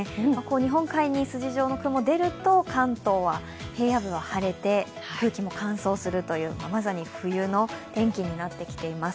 日本海に筋状の雲が出ると関東は平野部は晴れて空気も乾燥するという、まさに冬の天気になってきています。